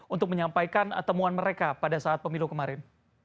untuk menyampaikan temuan mereka pada saat pemilu kemarin